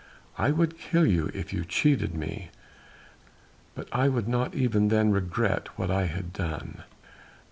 I would kill you if you cheated me, but I would not even then regret what I had done."